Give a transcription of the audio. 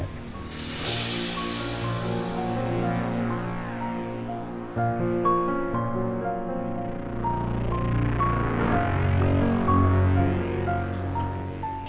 bisa ada rasa